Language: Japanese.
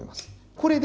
これで。